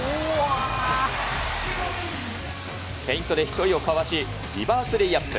フェイントで１人をかわし、リバースレイアップ。